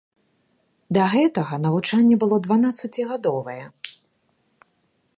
Да гэтага навучанне было дванаццацігадовае.